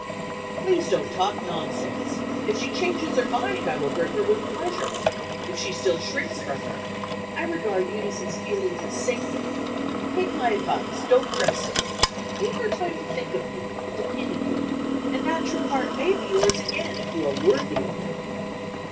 "Please don't talk nonsense. If she changes her mind, I will bring her with pleasure. If she still shrinks from it, I regard Euneece's feelings as sacred. Take my advice; don't press her. Leave her time to think of you, and to pity you and that true heart may be yours again, if you are worthy of it."